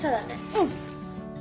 うん